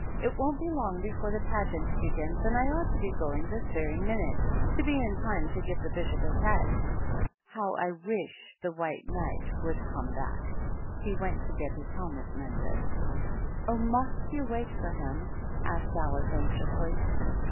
It won't be long before the Pageant begins, and I ought to be going this very minute, to be in time to give the Bishop his head. How I wish the White Knight would come back ! He went to get his helmet mended." "Oh, must you wait for him?" asked Alice, anxiously.